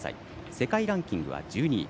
世界ランキングは１２位。